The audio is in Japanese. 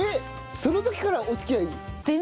その時からお付き合い？